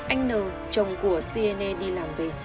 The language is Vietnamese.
anh nờ chồng của siene đi làm về